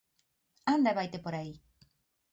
Anda e vaite por aí!